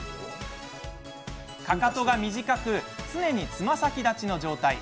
かかとが短くて常に、つま先立ちの状態。